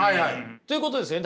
ということですよね？